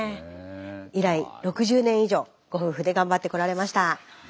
以来６０年以上ご夫婦で頑張ってこられました。